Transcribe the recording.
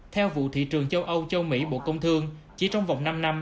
theo vụ thị trường châu âu châu mỹ bộ công thương chỉ trong vòng năm năm